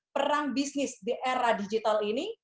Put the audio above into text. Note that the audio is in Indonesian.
perang bisnis di era digital ini